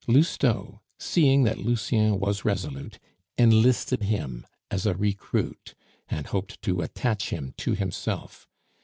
Lousteau, seeing that Lucien was resolute, enlisted him as a recruit, and hoped to attach him to himself.